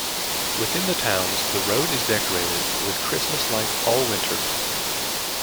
Within the towns, the road is decorated with Christmas lights all winter.